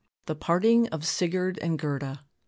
THE PARTING OF SIGURD AND GERDA.